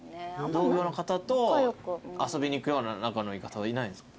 同業の方と遊びに行くような仲のいい方はいないんですか？